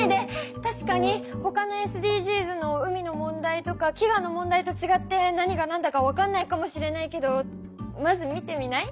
たしかにほかのＳＤＧｓの海の問題とかきがの問題とちがって何が何だか分かんないかもしれないけどまず見てみない？